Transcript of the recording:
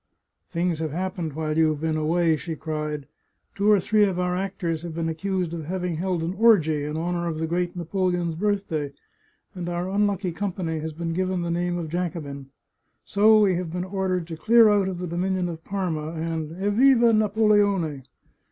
" Things have happened while you have been away," she cried. " Two or three of our actors have been accused of having held an orgy in honour of the great Napoleon's birthday, and our unlucky company has been given the name of Jacobin. So we have been ordered to clear out of the dominion of Parma, and, Evriva Napoleone!